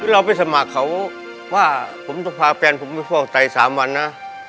เราไปสมัครเขาว่าผมจะพาแก่นผมไปพวกใจสามวันนะ